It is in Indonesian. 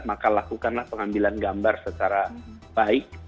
maka lakukanlah pengambilan gambar secara baik